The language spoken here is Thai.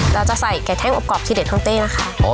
เราจะใส่ไก่แท่งอบทีเด็ดของเต้นะคะ